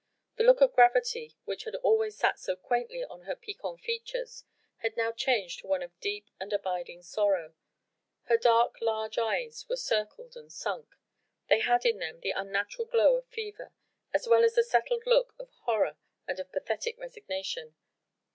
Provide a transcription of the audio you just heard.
The look of gravity which had always sat so quaintly on her piquant features had now changed to one of deep and abiding sorrow; her large dark eyes were circled and sunk; they had in them the unnatural glow of fever, as well as the settled look of horror and of pathetic resignation.